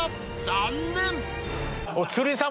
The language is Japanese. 残念］